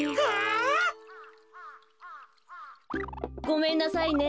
ごめんなさいね。